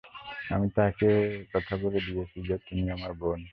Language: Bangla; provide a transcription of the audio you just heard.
আমি তাকে এই কথা বলে দিয়েছি যে, তুমি আমার বোন।